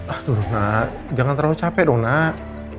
aduh nak jangan terlalu capek dong nak